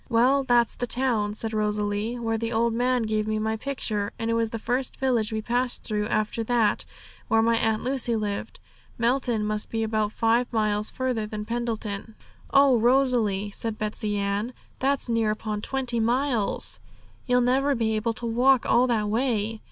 'Well, that's the town,' said Rosalie, 'where the old man gave me my picture; and it was the first village we passed through after that where my Aunt Lucy lived. Melton must be about five miles farther than Pendleton.' 'Oh, Rosalie,' said Betsey Ann, 'that's near upon twenty miles! You'll never be able to walk all that way!'